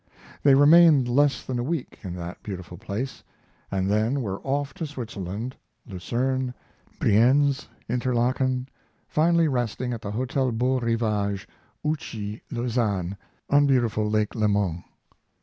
They remained less than a week in that beautiful place, and then were off for Switzerland, Lucerne, Brienz, Interlaken, finally resting at the Hotel Beau Rivage, Ouchy, Lausanne, on beautiful Lake Leman.